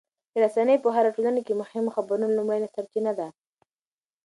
رسنۍ په هره ټولنه کې د مهمو خبرونو لومړنۍ سرچینه ده.